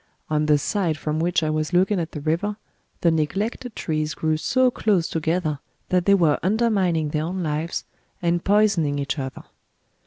On the side from which I was looking at the river, the neglected trees grew so close together that they were undermining their own lives, and poisoning each other.